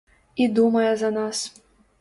І думае за нас.